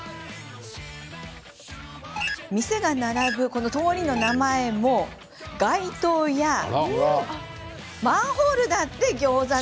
店が並ぶ通りの名前も街灯やマンホールだってギョーザ。